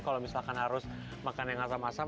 kalau misalkan harus makan yang asam asam